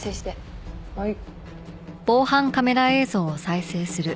はい。